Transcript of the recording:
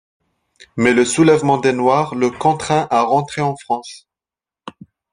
Mais le soulèvement des Noirs le contraint à rentrer en France.